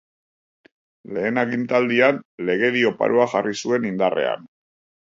Lehen agintaldian legedi oparoa jarri zuen indarrean.